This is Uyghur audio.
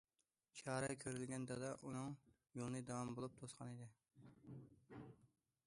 چارە كۆرۈلگەن دادا ئۇنىڭ يولىنى داۋان بولۇپ توسقانىدى.